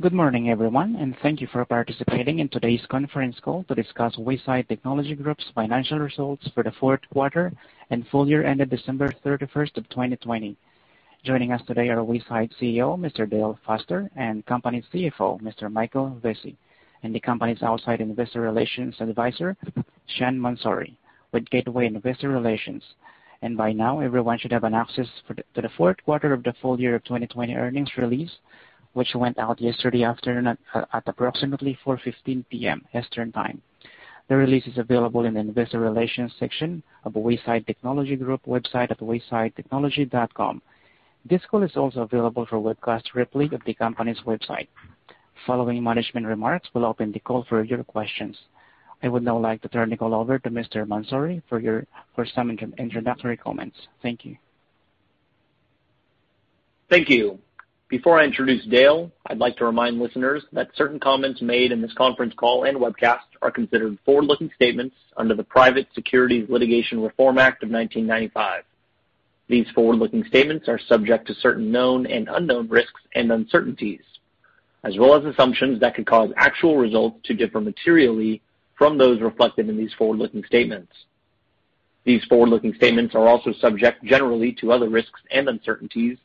Good morning, everyone, and thank you for participating in today's conference call to discuss Wayside Technology Group's financial results for the fourth quarter and full year ended December 31st of 2020. Joining us today are Wayside CEO, Mr. Dale Foster, and company CFO, Mr. Michael Vesey, and the company's outside investor relations advisor, Sean Mansouri, with Gateway Investor Relations. By now, everyone should have an access to the fourth quarter of the full year 2020 earnings release, which went out yesterday afternoon at approximately 4:15 P.M. Eastern Time. The release is available in the investor relations section of Wayside Technology Group website at waysidetechnology.com. This call is also available for webcast replay at the company's website. Following management remarks, we'll open the call for your questions. I would now like to turn the call over to Mr. Mansouri for some introductory comments. Thank you. Thank you. Before I introduce Dale, I'd like to remind listeners that certain comments made in this conference call and webcast are considered forward-looking statements under the Private Securities Litigation Reform Act of 1995. These forward-looking statements are subject to certain known and unknown risks and uncertainties, as well as assumptions that could cause actual results to differ materially from those reflected in these forward-looking statements. These forward-looking statements are also subject generally to other risks and uncertainties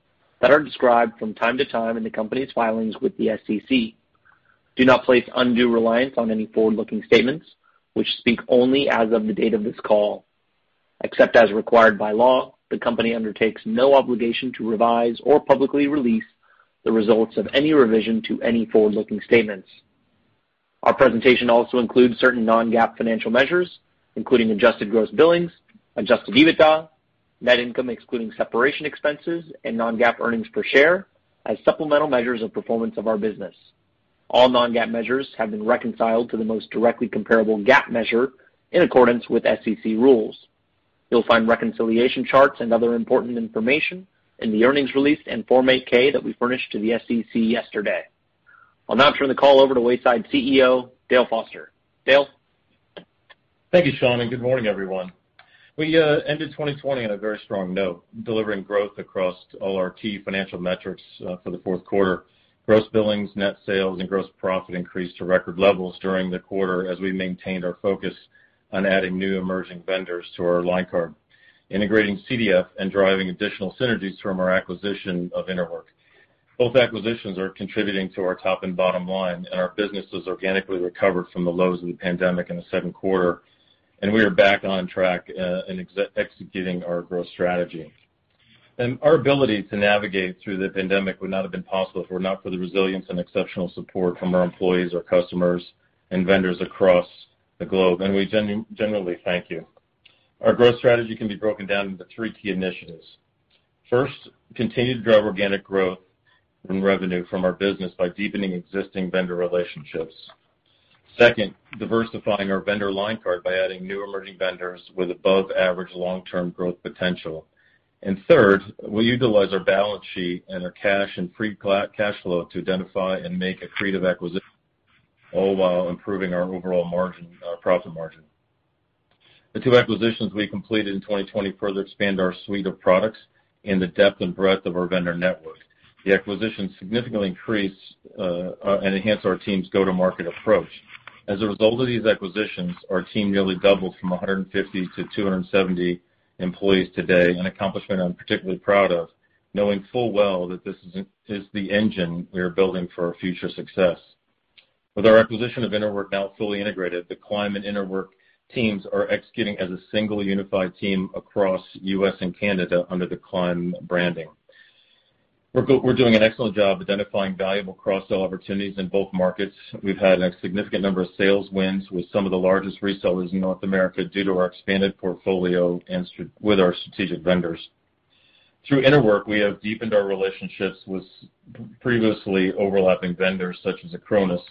that are described from time to time in the company's filings with the SEC. Do not place undue reliance on any forward-looking statements, which speak only as of the date of this call. Except as required by law, the company undertakes no obligation to revise or publicly release the results of any revision to any forward-looking statements. Our presentation also includes certain non-GAAP financial measures, including adjusted gross billings, adjusted EBITDA, net income including separation expenses, and non-GAAP earnings per share as supplemental measures of performance of our business. All non-GAAP measures have been reconciled to the most directly comparable GAAP measure in accordance with SEC rules. You'll find reconciliation charts and other important information in the earnings release and Form 8-K that we furnished to the SEC yesterday. I'll now turn the call over to Wayside CEO, Dale Foster. Dale? Thank you, Sean. Good morning, everyone. We ended 2020 on a very strong note, delivering growth across all our key financial metrics for the fourth quarter. Gross billings, net sales, and gross profit increased to record levels during the quarter as we maintained our focus on adding new emerging vendors to our line card, integrating CDF and driving additional synergies from our acquisition of Interwork. Both acquisitions are contributing to our top and bottom line. Our business has organically recovered from the lows of the pandemic in the second quarter, and we are back on track and executing our growth strategy. Our ability to navigate through the pandemic would not have been possible if were not for the resilience and exceptional support from our employees, our customers, and vendors across the globe. We genuinely thank you. Our growth strategy can be broken down into three key initiatives. First, continue to drive organic growth in revenue from our business by deepening existing vendor relationships. Second, diversifying our vendor line card by adding new emerging vendors with above-average long-term growth potential. Third, we utilize our balance sheet and our cash and free cash flow to identify and make accretive acquisitions, all while improving our overall profit margin. The two acquisitions we completed in 2020 further expand our suite of products and the depth and breadth of our vendor network. The acquisitions significantly increase and enhance our team's go-to-market approach. As a result of these acquisitions, our team nearly doubled from 150 to 270 employees today, an accomplishment I'm particularly proud of, knowing full well that this is the engine we are building for our future success. With our acquisition of Interwork now fully integrated, the Climb and Interwork teams are executing as a single unified team across U.S. and Canada under the Climb branding. We're doing an excellent job identifying valuable cross-sell opportunities in both markets. We've had a significant number of sales wins with some of the largest resellers in North America due to our expanded portfolio with our strategic vendors. Through Interwork, we have deepened our relationships with previously overlapping vendors such as Acronis,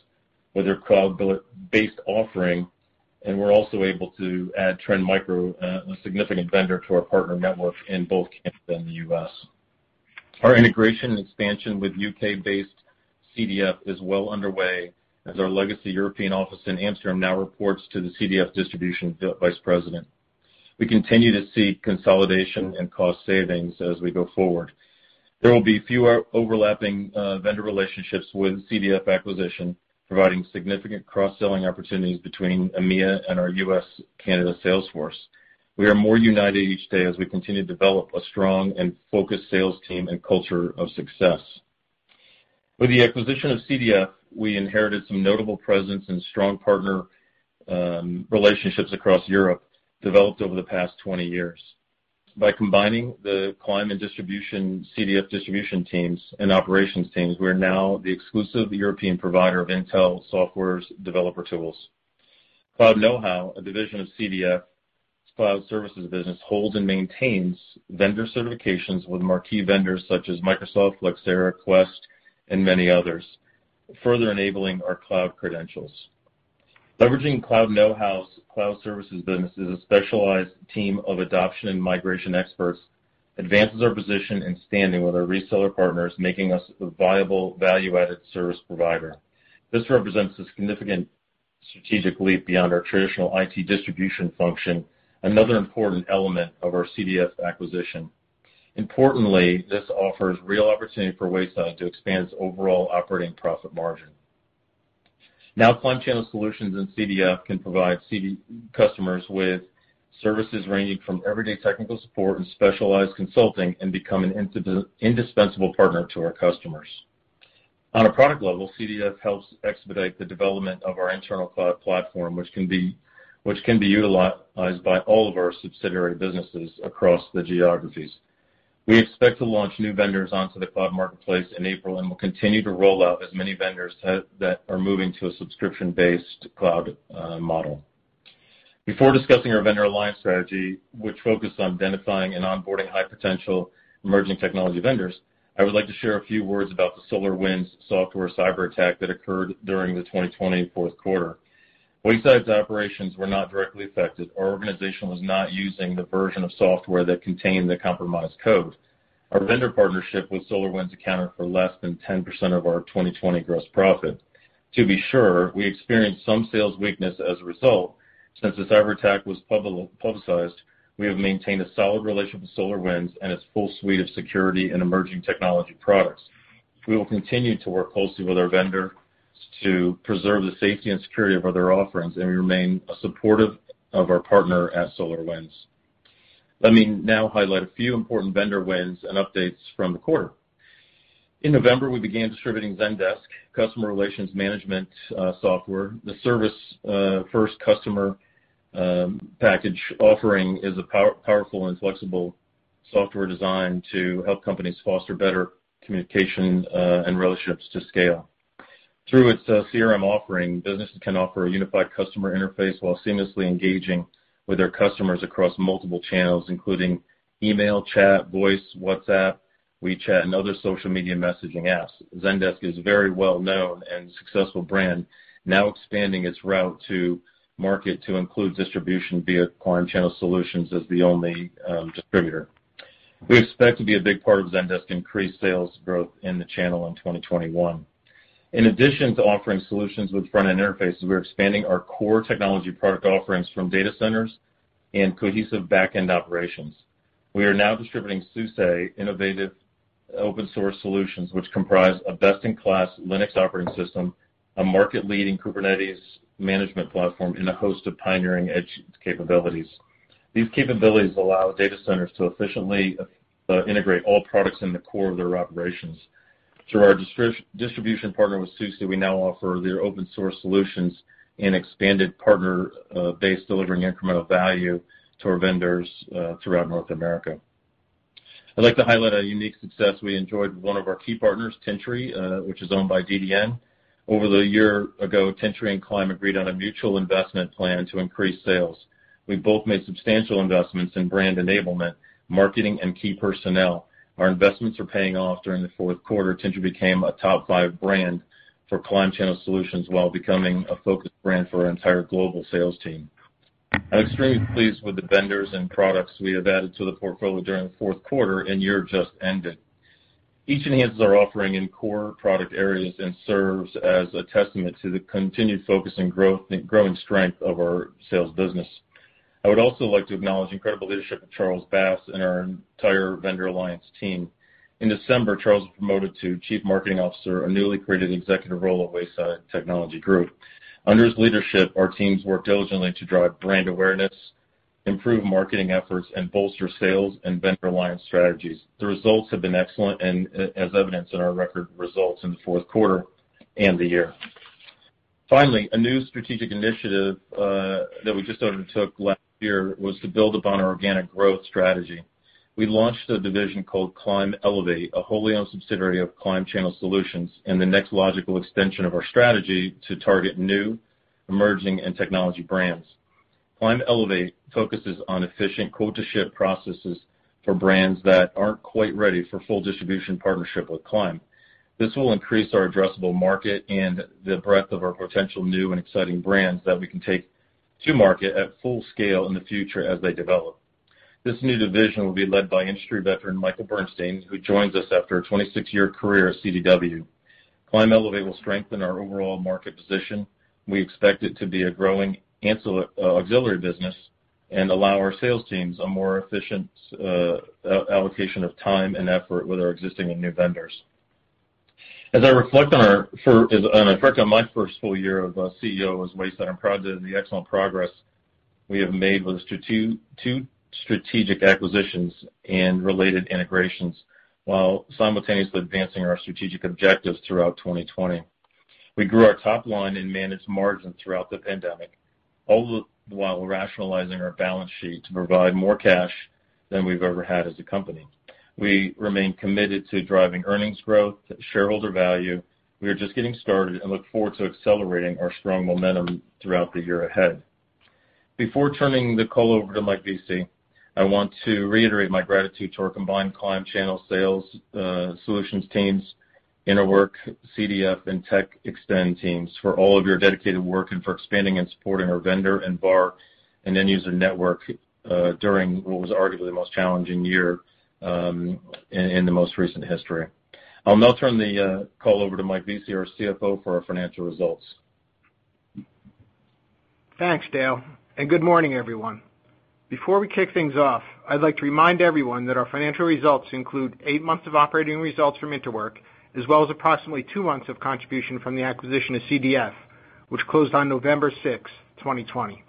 with their cloud-based offering, and we're also able to add Trend Micro, a significant vendor to our partner network in both Canada and the U.S. Our integration and expansion with U.K.-based CDF is well underway as our legacy European office in Amsterdam now reports to the CDF distribution vice president. We continue to see consolidation and cost savings as we go forward. There will be fewer overlapping vendor relationships with CDF acquisition, providing significant cross-selling opportunities between EMEA and our US-Canada sales force. We are more united each day as we continue to develop a strong and focused sales team and culture of success. With the acquisition of CDF, we inherited some notable presence and strong partner relationships across Europe, developed over the past 20 years. By combining the Climb and CDF distribution teams and operations teams, we are now the exclusive European provider of Intel software's developer tools. Cloud Know How, a division of CDF's cloud services business, holds and maintains vendor certifications with marquee vendors such as Microsoft, Flexera, Quest, and many others, further enabling our cloud credentials. Leveraging Cloud Know How's cloud services business is a specialized team of adoption and migration experts advances our position and standing with our reseller partners, making us a viable value-added service provider. This represents a significant, strategically, beyond our traditional IT distribution function, another important element of our CDF acquisition. Importantly, this offers real opportunity for Wayside to expand its overall operating profit margin. Climb Channel Solutions and CDF can provide customers with services ranging from everyday technical support and specialized consulting and become an indispensable partner to our customers. On a product level, CDF helps expedite the development of our internal cloud platform, which can be utilized by all of our subsidiary businesses across the geographies. We expect to launch new vendors onto the cloud marketplace in April and will continue to roll out as many vendors that are moving to a subscription-based cloud model. Before discussing our vendor alliance strategy, which focuses on identifying and onboarding high-potential emerging technology vendors, I would like to share a few words about the SolarWinds software cyberattack that occurred during the 2020 fourth quarter. Wayside's operations were not directly affected. Our organization was not using the version of software that contained the compromised code. Our vendor partnership with SolarWinds accounted for less than 10% of our 2020 gross profit. To be sure, we experienced some sales weakness as a result. Since the cyberattack was publicized, we have maintained a solid relationship with SolarWinds and its full suite of security and emerging technology products. We will continue to work closely with our vendors to preserve the safety and security of other offerings, and we remain supportive of our partner at SolarWinds. Let me now highlight a few important vendor wins and updates from the quarter. In November, we began distributing Zendesk customer relations management software. The service-first customer package offering is a powerful and flexible software designed to help companies foster better communication and relationships to scale. Through its CRM offering, businesses can offer a unified customer interface while seamlessly engaging with their customers across multiple channels, including email, chat, voice, WhatsApp, WeChat, and other social media messaging apps. Zendesk is a very well-known and successful brand, now expanding its route to market to include distribution via Climb Channel Solutions as the only distributor. We expect to be a big part of Zendesk increased sales growth in the channel in 2021. In addition to offering solutions with front-end interfaces, we're expanding our core technology product offerings from data centers and cohesive back-end operations. We are now distributing SUSE innovative open-source solutions, which comprise a best-in-class Linux operating system, a market-leading Kubernetes management platform, and a host of pioneering edge capabilities. These capabilities allow data centers to efficiently integrate all products in the core of their operations. Through our distribution partner with SUSE, we now offer their open-source solutions an expanded partner base, delivering incremental value to our vendors throughout North America. I'd like to highlight a unique success we enjoyed with one of our key partners, Tintri, which is owned by DDN. Over a year ago, Tintri and Climb agreed on a mutual investment plan to increase sales. We both made substantial investments in brand enablement, marketing, and key personnel. Our investments are paying off. During the fourth quarter, Tintri became a top five brand for Climb Channel Solutions while becoming a focus brand for our entire global sales team. I'm extremely pleased with the vendors and products we have added to the portfolio during the fourth quarter and year just ended. Each enhances our offering in core product areas and serves as a testament to the continued focus and growing strength of our sales business. I would also like to acknowledge the incredible leadership of Charles Bass and our entire vendor alliance team. In December, Charles was promoted to Chief Marketing Officer, a newly created executive role at Wayside Technology Group. Under his leadership, our teams work diligently to drive brand awareness, improve marketing efforts, and bolster sales and vendor alliance strategies. The results have been excellent, as evidenced in our record results in the fourth quarter and the year. Finally, a new strategic initiative that we just undertook last year was to build upon our organic growth strategy. We launched a division called Climb Elevate, a wholly owned subsidiary of Climb Channel Solutions, and the next logical extension of our strategy to target new, emerging, and technology brands. Climb Elevate focuses on efficient quote-to-ship processes for brands that aren't quite ready for full distribution partnership with Climb. This will increase our addressable market and the breadth of our potential new and exciting brands that we can take to market at full scale in the future as they develop. This new division will be led by industry veteran Michael Bernstein, who joins us after a 26-year career at CDW. Climb Elevate will strengthen our overall market position. We expect it to be a growing auxiliary business and allow our sales teams a more efficient allocation of time and effort with our existing and new vendors. As I reflect on my first full year as CEO of Wayside, I'm proud of the excellent progress we have made with two strategic acquisitions and related integrations while simultaneously advancing our strategic objectives throughout 2020. We grew our top line and managed margin throughout the pandemic, all the while rationalizing our balance sheet to provide more cash than we've ever had as a company. We remain committed to driving earnings growth, shareholder value. We are just getting started and look forward to accelerating our strong momentum throughout the year ahead. Before turning the call over to Michael Vesey, I want to reiterate my gratitude to our combined Climb Channel Solutions teams, Interwork, CDF Group, and TechXtend teams for all of your dedicated work and for expanding and supporting our vendor and VAR, and end user network during what was arguably the most challenging year in the most recent history. I'll now turn the call over to Michael Vesey, our CFO, for our financial results. Thanks, Dale. Good morning, everyone. Before we kick things off, I'd like to remind everyone that our financial results include eight months of operating results from Interwork, as well as approximately two months of contribution from the acquisition of CDF, which closed on November 6, 2020.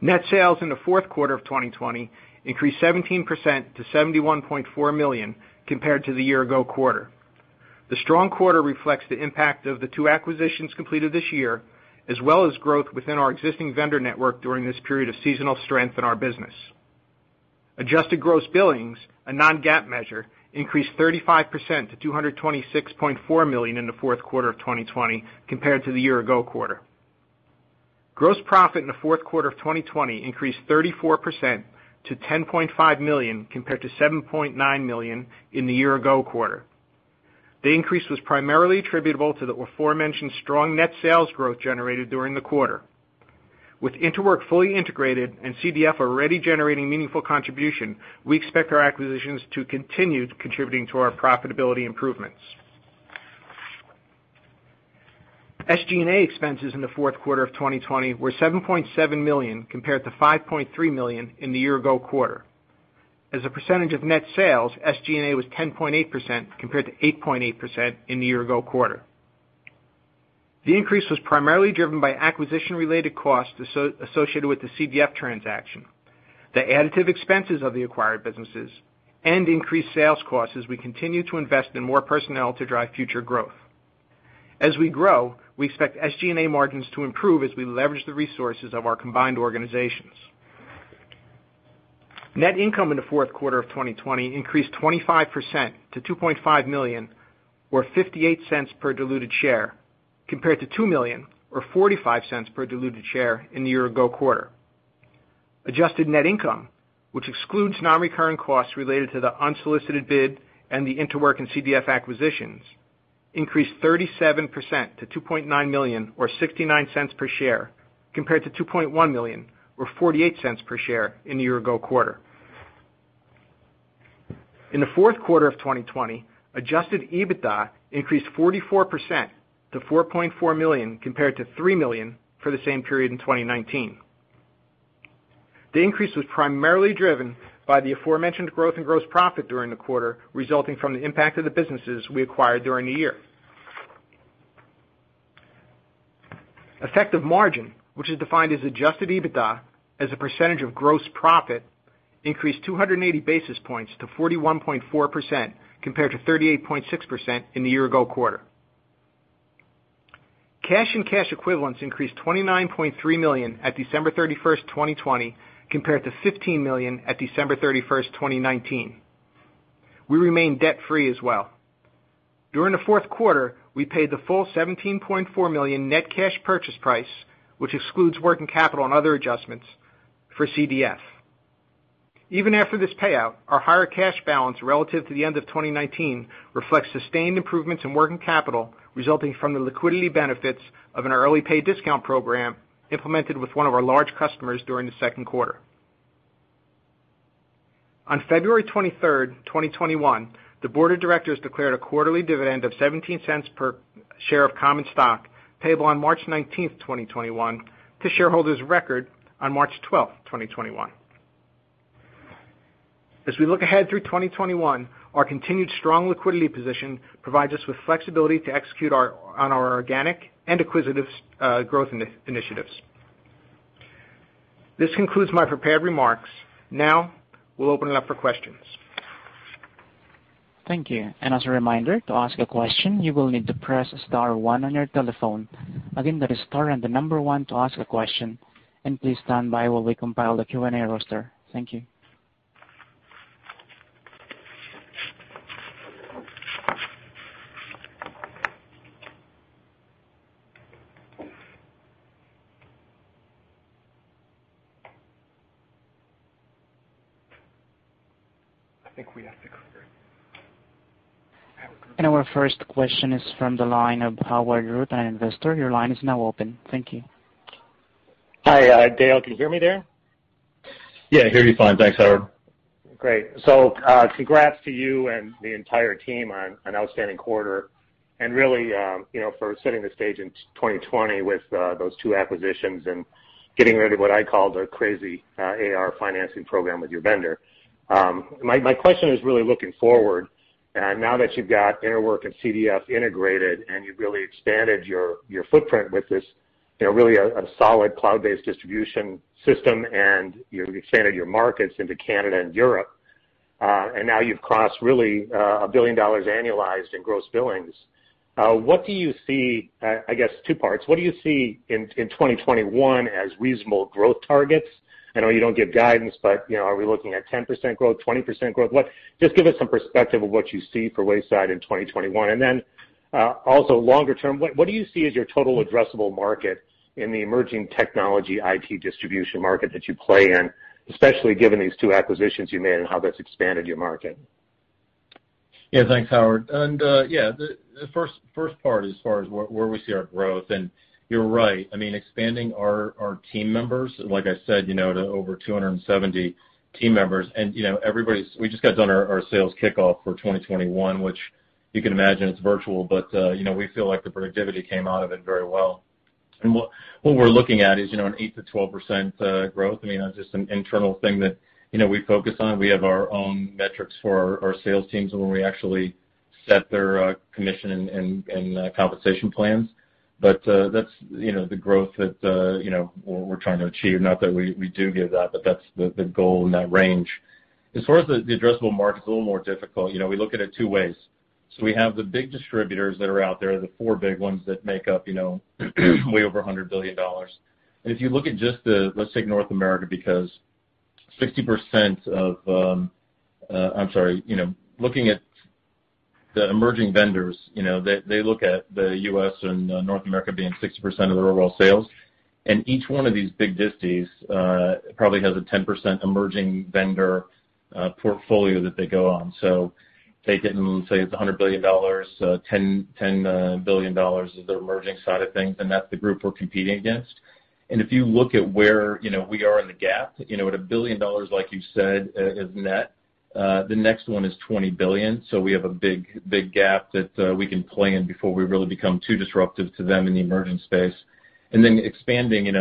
Net sales in the fourth quarter of 2020 increased 17% to $71.4 million compared to the year-ago quarter. The strong quarter reflects the impact of the two acquisitions completed this year, as well as growth within our existing vendor network during this period of seasonal strength in our business. Adjusted gross billings, a non-GAAP measure, increased 35% to $226.4 million in the fourth quarter of 2020 compared to the year-ago quarter. Gross profit in the fourth quarter of 2020 increased 34% to $10.5 million compared to $7.9 million in the year-ago quarter. The increase was primarily attributable to the aforementioned strong net sales growth generated during the quarter. With Interwork fully integrated and CDF already generating meaningful contribution, we expect our acquisitions to continue contributing to our profitability improvements. SG&A expenses in the fourth quarter of 2020 were $7.7 million compared to $5.3 million in the year ago quarter. As a percentage of net sales, SG&A was 10.8% compared to 8.8% in the year ago quarter. The increase was primarily driven by acquisition-related costs associated with the CDF transaction, the additive expenses of the acquired businesses, and increased sales costs as we continue to invest in more personnel to drive future growth. As we grow, we expect SG&A margins to improve as we leverage the resources of our combined organizations. Net income in the fourth quarter of 2020 increased 25% to $2.5 million or $0.58 per diluted share, compared to $2 million or $0.45 per diluted share in the year ago quarter. Adjusted net income, which excludes non-recurring costs related to the unsolicited bid and the Interwork and CDF acquisitions, increased 37% to $2.9 million or $0.69 per share compared to $2.1 million or $0.48 per share in the year ago quarter. In the fourth quarter of 2020, adjusted EBITDA increased 44% to $4.4 million compared to $3 million for the same period in 2019. The increase was primarily driven by the aforementioned growth in gross profit during the quarter, resulting from the impact of the businesses we acquired during the year. Effective margin, which is defined as adjusted EBITDA as a percentage of gross profit, increased 280 basis points to 41.4% compared to 38.6% in the year-ago quarter. Cash and cash equivalents increased $29.3 million at December 31st, 2020, compared to $15 million at December 31st, 2019. We remain debt-free as well. During the fourth quarter, we paid the full $17.4 million net cash purchase price, which excludes working capital and other adjustments for CDF. Even after this payout, our higher cash balance relative to the end of 2019 reflects sustained improvements in working capital resulting from the liquidity benefits of an early pay discount program implemented with one of our large customers during the second quarter. On February 23rd, 2021, the board of directors declared a quarterly dividend of $0.17 per share of common stock payable on March 19th, 2021, to shareholders record on March 12th, 2021. As we look ahead through 2021, our continued strong liquidity position provides us with flexibility to execute on our organic and acquisitive growth initiatives. This concludes my prepared remarks. We'll open it up for questions. Thank you. As a reminder, to ask a question, you will need to press star one on your telephone. Again, that is star and the number one to ask a question, please stand by while we compile the Q&A roster. Thank you. Our first question is from the line of Howard Root, an investor. Thank you. Hi, Dale. Can you hear me there? Yeah, I hear you fine. Thanks, Howard. Great. Congrats to you and the entire team on an outstanding quarter and really for setting the stage in 2020 with those two acquisitions and getting rid of what I call the crazy AR financing program with your vendor. My question is really looking forward. Now that you've got Interwork and CDF integrated and you've really expanded your footprint with this, really a solid cloud-based distribution system, and you've expanded your markets into Canada and Europe. Now you've crossed really a $1 billion annualized in gross billings. I guess two parts. What do you see in 2021 as reasonable growth targets? I know you don't give guidance, but are we looking at 10% growth, 20% growth? Just give us some perspective of what you see for Wayside in 2021. Also longer term, what do you see as your total addressable market in the emerging technology IT distribution market that you play in, especially given these two acquisitions you made and how that's expanded your market? Yeah, thanks, Howard. Yeah, the first part as far as where we see our growth, and you're right. Expanding our team members, like I said, to over 270 team members, and we just got our sales kickoff for 2021, which you can imagine it's virtual, but we feel like the productivity came out of it very well. What we're looking at is an 8%-12% growth. Just an internal thing that we focus on. We have our own metrics for our sales teams when we actually set their commission and compensation plans. That's the growth that we're trying to achieve. Not that we do give that, but that's the goal in that range. As far as the addressable market, it's a little more difficult. We look at it two ways. We have the big distributors that are out there, the four big ones that make up way over $100 billion. If you look at just the, let's take North America, because 60% of I'm sorry. Looking at the emerging vendors, they look at the U.S. and North America being 60% of their overall sales. Each one of these big disties probably has a 10% emerging vendor portfolio that they go on. Take it and say it's $100 billion, $10 billion is the emerging side of things, and that's the group we're competing against. If you look at where we are in the gap, at $1 billion, like you said, is net. The next one is $20 billion, we have a big gap that we can play in before we really become too disruptive to them in the emerging space. Expanding,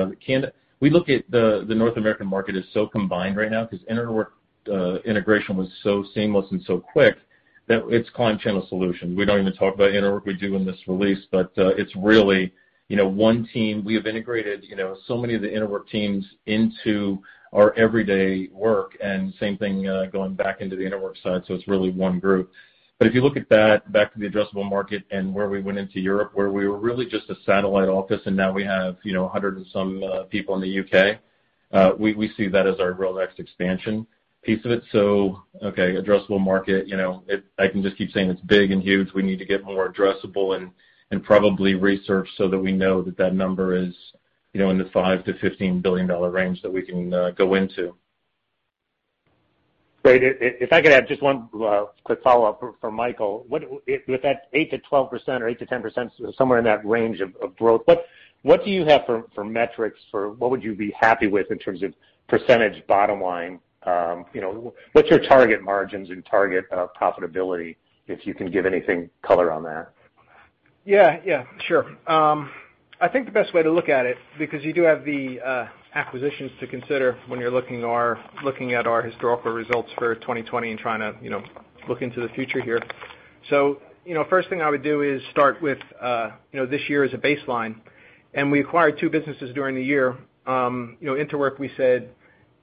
we look at the North American market as so combined right now, because Interwork integration was so seamless and so quick that it's Climb Channel Solutions. We don't even talk about Interwork. We do in this release, it's really one team. We have integrated so many of the Interwork teams into our everyday work, and same thing going back into the Interwork side, so it's really one group. If you look at that, back to the addressable market and where we went into Europe, where we were really just a satellite office, and now we have 100 and some people in the U.K., we see that as our real next expansion piece of it. Okay, addressable market, I can just keep saying it's big and huge. We need to get more addressable and probably research so that we know that that number is in the $5 billion-$15 billion range that we can go into. Great. If I could add just one quick follow-up for Michael. With that 8%-12% or 8%-10%, somewhere in that range of growth, what do you have for metrics for what would you be happy with in terms of percentage bottom line? What's your target margins and target profitability, if you can give anything color on that? Yeah. Sure. I think the best way to look at it, you do have the acquisitions to consider when you're looking at our historical results for 2020 and trying to look into the future here. First thing I would do is start with this year as a baseline, we acquired two businesses during the year. Interwork we said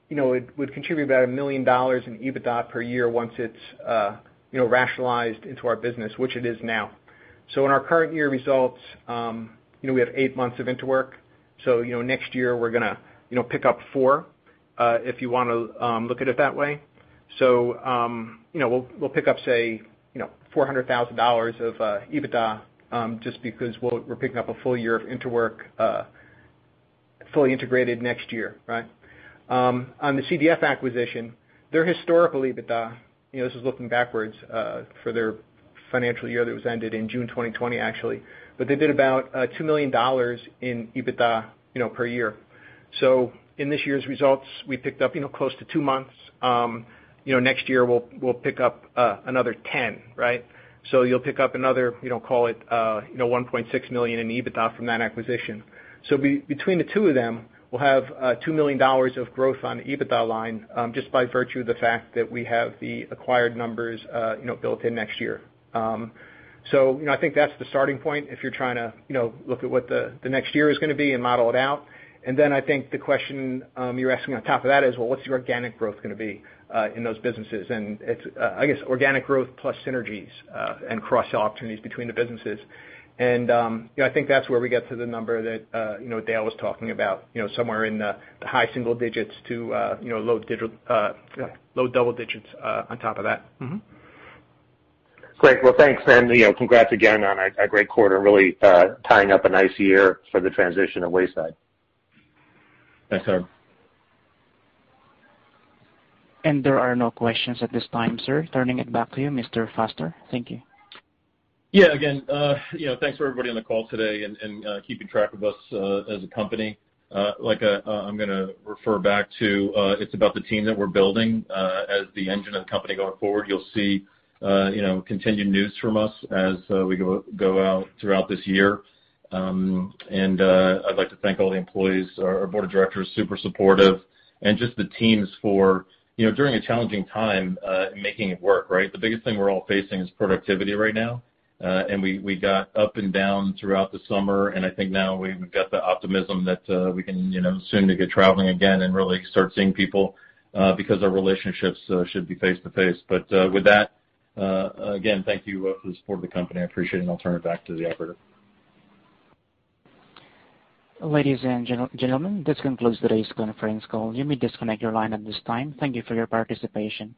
it would contribute about $1 million in EBITDA per year once it's rationalized into our business, which it is now. In our current year results, we have eight months of Interwork. Next year we're going to pick up four, if you want to look at it that way. We'll pick up, say, $400,000 of EBITDA, just because we're picking up a full year of Interwork, fully integrated next year, right? On the CDF acquisition, their historical EBITDA, this is looking backwards, for their financial year that was ended in June 2020, actually. They did about $2 million in EBITDA per year. In this year's results, we picked up close to two months. Next year, we'll pick up another 10, right? You'll pick up another, call it, $1.6 million in EBITDA from that acquisition. Between the two of them, we'll have $2 million of growth on the EBITDA line, just by virtue of the fact that we have the acquired numbers built in next year. I think that's the starting point if you're trying to look at what the next year is going to be and model it out. I think the question you're asking on top of that is, well, what's your organic growth going to be in those businesses? It's, I guess, organic growth plus synergies, and cross-sell opportunities between the businesses. I think that's where we get to the number that Dale was talking about, somewhere in the high single digits to low double digits on top of that. Great. Well, thanks. Congrats again on a great quarter. Really tying up a nice year for the transition of Wayside. Thanks, Herb. There are no questions at this time, sir. Turning it back to you, Mr. Foster. Thank you. Yeah. Again, thanks for everybody on the call today and keeping track of us as a company. I'm going to refer back to, it's about the team that we're building. As the engine of the company going forward, you'll see continued news from us as we go out throughout this year. I'd like to thank all the employees. Our board of directors, super supportive, and just the teams for, during a challenging time, making it work, right? The biggest thing we're all facing is productivity right now. We got up and down throughout the summer, and I think now we've got the optimism that we can soon get traveling again and really start seeing people, because our relationships should be face-to-face. With that, again, thank you for the support of the company. I appreciate it, and I'll turn it back to the operator. Ladies and gentlemen, this concludes today's conference call. You may disconnect your line at this time. Thank you for your participation.